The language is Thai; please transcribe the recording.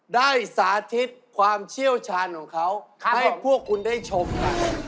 ได้สาธิตความเชี่ยวชาญของเขาให้พวกคุณได้ชมค่ะ